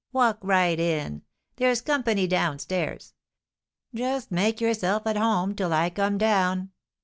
Walk right in. There's company down stairs; just make yourself at home till I come down.'